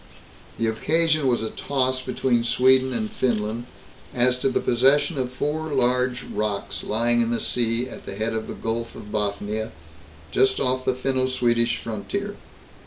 The occasion was a toss between Sweden and Finland as to the possession of four large rocks lying in the sea at the head of the Gulf of Bothnia, just off the Finno Swedish frontier.